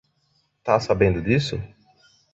Tá sabendo disso?